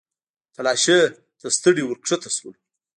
تلاشۍ ته ستړي ورښکته شولو.